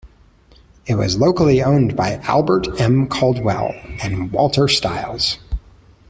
It was locally owned by Albert M. Cadwell and Walter Stiles.